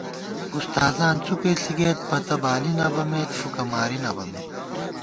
اُستاذان څُپےݪی گئیت، پتہ بالی نہ بَمېت، فُکہ ماری نہ بَمېت